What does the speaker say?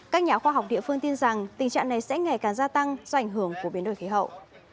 các nhà khoa học địa phương tin rằng tình trạng này sẽ ngày càng gia tăng do ảnh hưởng của biến đổi khí hậu